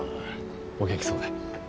お元気そうで。